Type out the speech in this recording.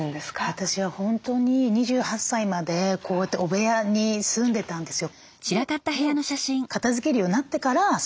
私は本当に２８歳までこうやって汚部屋に住んでたんですよ。